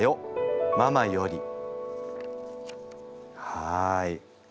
はい。